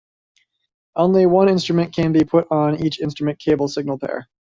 Only one instrument can be put on each instrument cable signal pair.